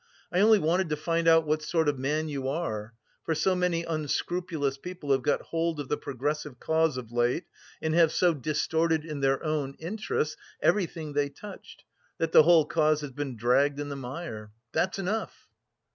I only wanted to find out what sort of man you are, for so many unscrupulous people have got hold of the progressive cause of late and have so distorted in their own interests everything they touched, that the whole cause has been dragged in the mire. That's enough!"